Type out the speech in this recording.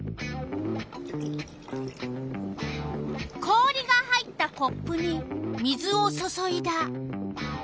氷が入ったコップに水を注いだ。